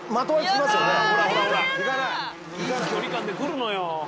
いい距離感で来るのよ。